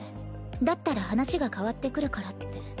だったら話が変わってくるからって。